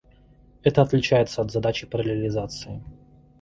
Это отличается от задачи параллелизации